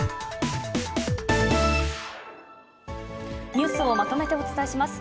ニュースをまとめてお伝えします。